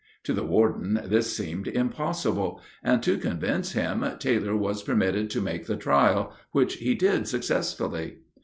To the warden this seemed impossible, and, to convince him, Taylor was permitted to make the trial, which he did successfully.